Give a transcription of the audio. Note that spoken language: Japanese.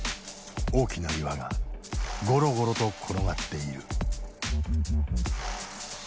大きな岩がゴロゴロと転がっている。